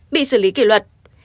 bị xử lý kỷ luật